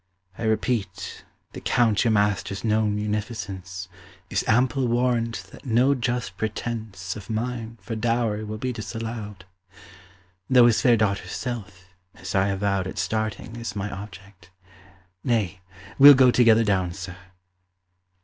I repeat, The Count your master's known munificence Is ample warrant that no just pretence 50 Of mine for dowry will be disallowed; Though his fair daughter's self, as I avowed At starting, is my object. Nay, we'll go Together down, sir.